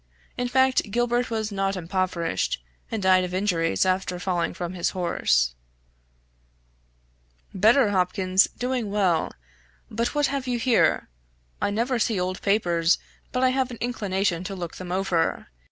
In fact, Gilbert was not impoverished, and died of injuries after falling from his horse} "Better, Hopkins doing well. But what have you here? I never see old papers but I have an inclination to look them over.